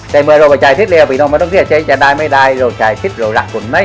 ทุกคนต้องไปจ่ายพลิก